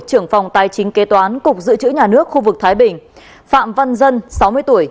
trưởng phòng tài chính kế toán cục dự trữ nhà nước khu vực thái bình phạm văn dân sáu mươi tuổi